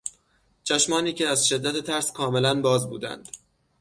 چشمانی که از شدت ترس کاملا باز بودند